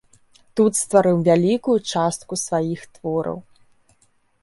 Тут стварыў вялікую частку сваіх твораў.